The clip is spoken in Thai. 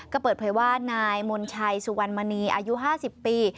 ก็เปิดเผยว่านายมนชัยสุวรรณมณีอายุ๕๐ปี